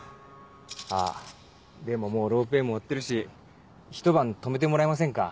あぁでももうロープウエーも終わってるしひと晩泊めてもらえませんか？